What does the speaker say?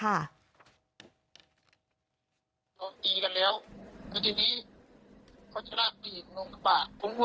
เราตีกันแล้ว